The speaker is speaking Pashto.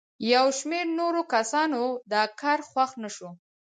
یو شمېر نورو کسانو دا کار خوښ نه شو.